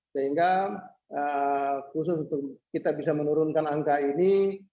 sehingga khusus untuk kita bisa menurunkan angka ini